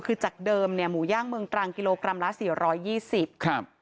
คือจากเดิมมูย่างเมืองกรัง๑๔๒๐กกรัม